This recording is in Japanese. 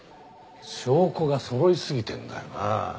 証拠がそろいすぎてんだよなあ。